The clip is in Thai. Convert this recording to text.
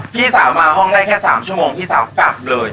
พี่สาวมาห้องได้แค่๓ชั่วโมงพี่สาวกลับเลย